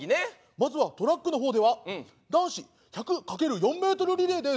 「まずはトラックの方では男子１００×４ｍリレーです」。